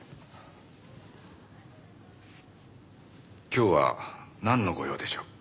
今日はなんのご用でしょう？